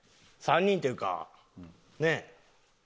３人っていうかねえ？